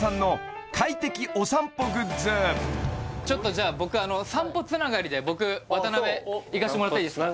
ちょっとじゃあ僕散歩つながりで僕渡辺いかしてもらっていいですか？